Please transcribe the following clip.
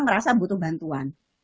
merasa butuh bantuan